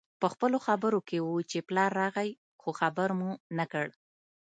پخپلو خبرو کې وو چې پلار راغی خو خبر مو نه کړ